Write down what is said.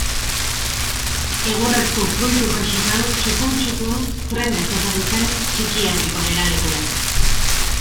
Egurrezko fruitu kaxetan txukun-txukun trenez etorri zen Txikierdiko geralekura.